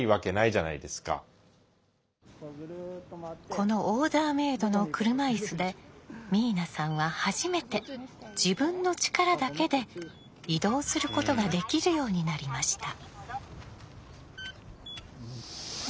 このオーダーメードの車いすで明奈さんは初めて自分の力だけで移動することができるようになりました。